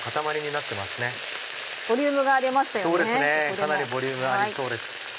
かなりボリュームありそうです。